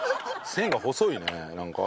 線が細いねなんか。